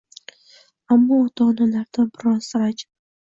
Ammo ota-onalardan biroz ranjidim.